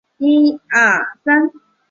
阿夫尔河畔蒙蒂尼。